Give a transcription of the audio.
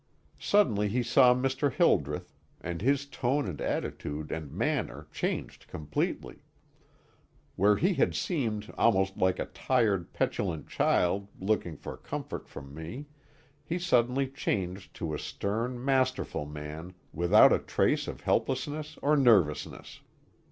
Suddenly he saw Mr. Hildreth, and his tone and attitude and manner changed completely. Where he had seemed almost like a tired, petulant child looking for comfort from me, he suddenly changed to a stern, masterful man without a trace of helplessness or nervousness.